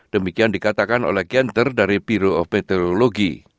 demikian dikatakan oleh genter dari bureau of meteorology